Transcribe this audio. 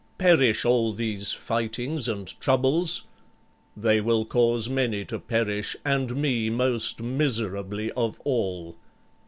"Perish all these fightings and troubles!" "They will cause many to perish, and me most miserably of all."